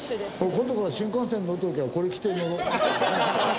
今度から新幹線乗る時はこれ着て乗ろう。